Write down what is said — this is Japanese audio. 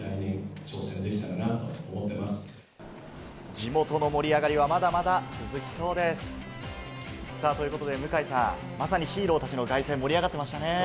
地元の盛り上がりは、まだまだ続きそうです。ということで、向井さん、まさにヒーローたちの凱旋、盛り上がっていましたね。